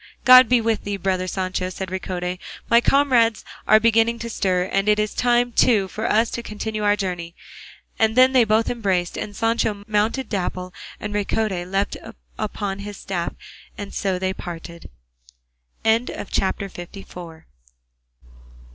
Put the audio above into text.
"God be with thee, brother Sancho," said Ricote; "my comrades are beginning to stir, and it is time, too, for us to continue our journey;" and then they both embraced, and Sancho mounted Dapple, and Ricote leant upon his staff, and so they parted. CHAPTER LV.